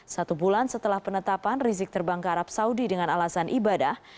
satu bulan setelah penetapan rizik terbang ke arab saudi dengan alasan ibadah